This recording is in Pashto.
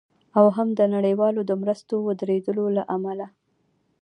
او هم د نړیوالو د مرستو د ودریدو له امله